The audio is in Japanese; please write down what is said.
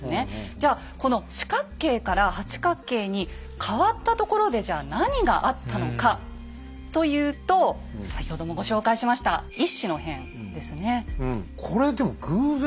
じゃこの四角形から八角形に変わったところでじゃ何があったのかというと先ほどもご紹介しました乙巳の変ですね。